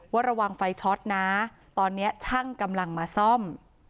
ระวังไฟช็อตนะตอนนี้ช่างกำลังมาซ่อม